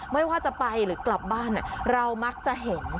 ไม่ว่าจะไปหรือกลับบ้านเรามักจะเห็น